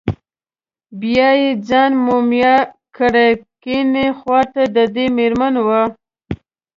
بیا یې ځان مومیا کړی، کیڼې خواته دده مېرمن وه.